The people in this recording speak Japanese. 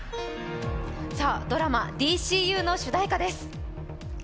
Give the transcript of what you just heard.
ドラマ「ＤＣＵ」の主題歌です。